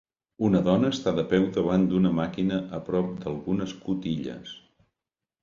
Una dona està de peu davant d'una màquina a prop d'algunes cotilles.